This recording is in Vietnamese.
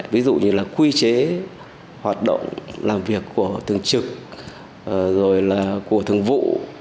ví dụ như là quy chế hoạt động làm việc của thường trực rồi là của thường vụ